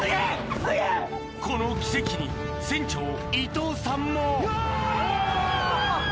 この奇跡に船長伊東さんもお！